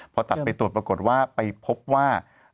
พอตัดไปตรวจปรากฏว่าไปพบว่า